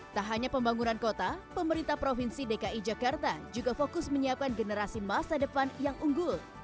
tak hanya pembangunan kota pemerintah provinsi dki jakarta juga fokus menyiapkan generasi masa depan yang unggul